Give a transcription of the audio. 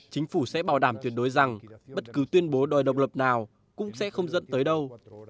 chính phủ sẽ bảo đảm tuyệt đối rằng bất cứ tuyên bố đòi độc lập nào cũng sẽ không dẫn tới đâu